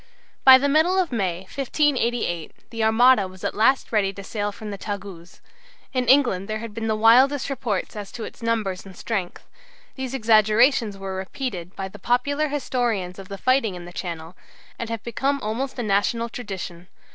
By the middle of May, 1588, the Armada was at last ready to sail from the Tagus. In England there had been the wildest reports as to its numbers and strength. These exaggerations were repeated by the popular historians of the fighting in the Channel, and have become almost a national tradition.